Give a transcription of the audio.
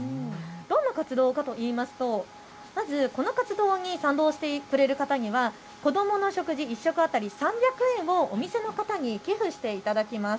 どんな活動かといいますとこの活動に賛同してくれる方には子どもの食事、１食当たり３００円をお店の方に寄付していただきます。